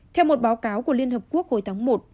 theo một báo cáo của liên hợp quốc hồi tháng một